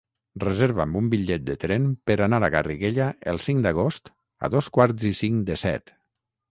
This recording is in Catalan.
Reserva'm un bitllet de tren per anar a Garriguella el cinc d'agost a dos quarts i cinc de set.